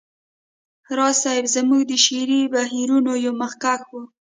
راز صيب زموږ د شعري بهیرونو یو مخکښ و